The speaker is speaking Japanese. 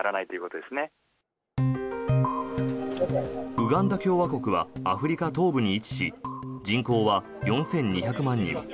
ウガンダ共和国はアフリカ東部に位置し人口は４２００万人。